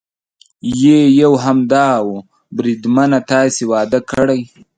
یې یو همدا و، بریدمنه تاسې واده کړی؟